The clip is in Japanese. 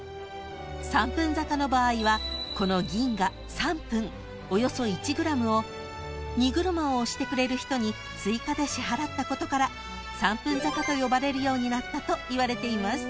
［三分坂の場合はこの銀が三分およそ１ｇを荷車を押してくれる人に追加で支払ったことから三分坂と呼ばれるようになったといわれています］